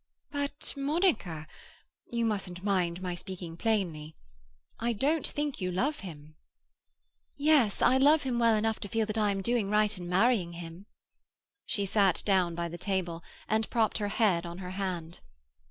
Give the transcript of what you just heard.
"But, Monica—you mustn't mind my speaking plainly—I don't think you love him." "Yes, I love him well enough to feel that I am doing right in marrying him." She sat down by the table, and propped her head on her hand.